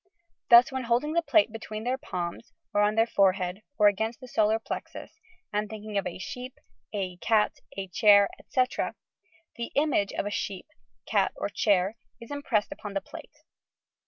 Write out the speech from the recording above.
Thus, when holding the plate between their palms or on their forehead or against the solar plexus, and thinking of a sheep, a eat, a chair, etc., the image of a sheep, cat or chair is impressed upon the plate.